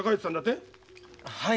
はい。